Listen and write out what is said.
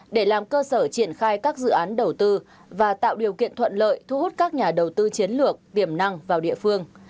để làm cơ sở triển khai các dự án đầu tư và tạo điều kiện thuận lợi thu hút các nhà đầu tư chiến lược tiềm năng vào địa phương